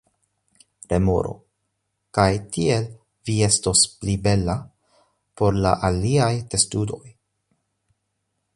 Remoro: "Kaj tiel vi estos pli bela por la aliaj testudoj."